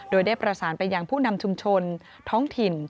โดยได้ประสานไปยังผู้นำชุมชนท้องถิ่น